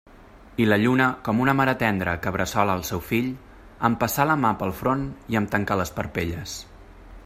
I la lluna, com una mare tendra que bressola el seu fill, em passà la mà pel front i em tancà les parpelles.